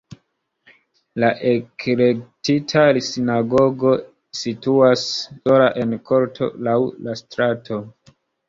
La eklektika sinagogo situas sola en korto laŭ la strato.